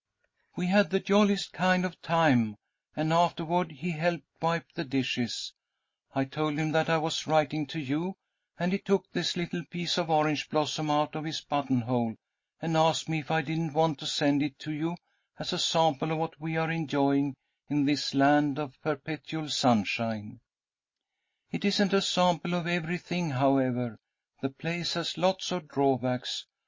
"'We had the jolliest kind of a time, and afterward he helped wipe the dishes. I told him that I was writing to you, and he took this little piece of orange blossom out of his buttonhole, and asked me if I didn't want to send it to you as a sample of what we are enjoying in this land of perpetual sunshine. "'It isn't a sample of everything, however. The place has lots of drawbacks.